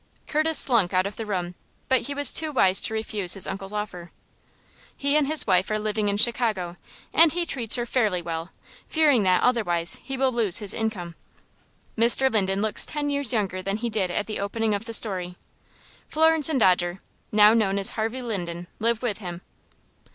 Curtis slunk out of the room, but he was too wise to refuse his uncle's offer. He and his wife are living in Chicago, and he treats her fairly well, fearing that, otherwise, he will lose his income. Mr. Linden looks ten years younger than he did at the opening of the story. Florence and Dodger now known as Harvey Linden live with him.